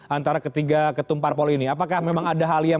antara ketiga ketum parpol ini apakah memang ada hal yang